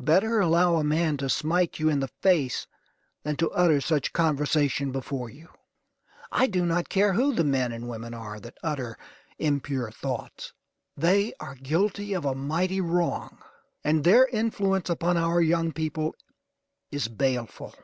Better allow a man to smite you in the face than to utter such conversation before you. I do not care who the men or women are that utter impure thoughts; they are guilty of a mighty wrong; and their influence upon our young people is baleful.